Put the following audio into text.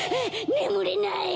ねむれない！